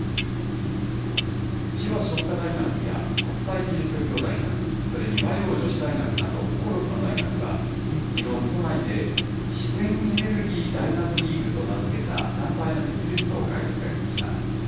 千葉商科大学や国際基督教大学、それに和洋女子大学など９つの大学は、きのう、都内で自然エネルギー大学リーグと名付けた、団体の設立総会を開きました。